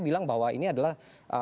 bilang bahwa ini adalah